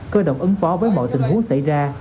cơ động ứng phó với mọi tình huống xảy ra